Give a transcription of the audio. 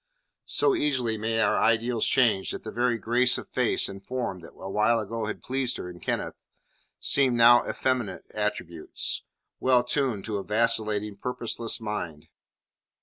So easily may our ideals change that the very graces of face and form that a while ago had pleased her in Kenneth, seemed now effeminate attributes, well attuned to a vacillating, purposeless mind.